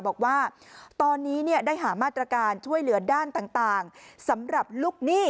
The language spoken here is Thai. บอกว่าตอนนี้ได้หามาตรการช่วยเหลือด้านต่างสำหรับลูกหนี้